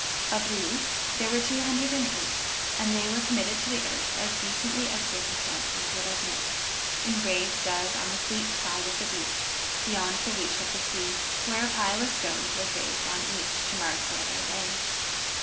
Of these there were two hundred and eight, and they were committed to the earth as decently as circumstances would admit, in graves dug on the Fleet side of the beach, beyond the reach of the sea, where a pile of stones was raised on each, to mark where they lay.